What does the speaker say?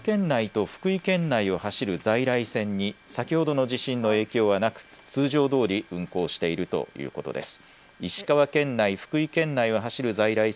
石川県内福井県内を走る在来線に先ほどの地震の影響はなく通常どおり運行しているということです。